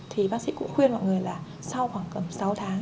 thì bác sĩ cũng khuyên mọi người là sau khoảng tầm sáu tháng